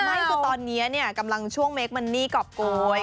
ไม่ตอนนี้กำลังช่วงเมคมันนี่กรอบโกย